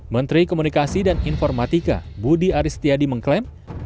menteri komunikasi dan informatika budi ari setiadi mengklaim